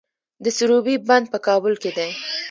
د سروبي بند په کابل کې دی